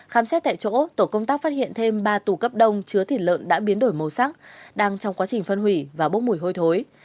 khám xét tại chỗ tổ công tác phát hiện thêm ba tù cấp đông chứa thịt lợn đã biến đổi màu sắc đang trong quá trình phân hủy và bốc mùi hôi thối